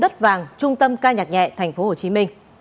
đất vàng trung tâm ca nhạc nhẹ tp hcm